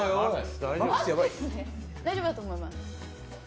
大丈夫だと思います。